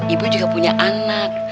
ibu juga punya anak